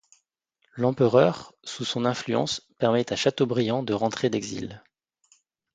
L'empereur, sous son influence, permet à Chateaubriand de rentrer d'exil.